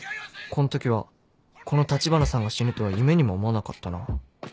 こん時はこの橘さんが死ぬとは夢にも思わなかったな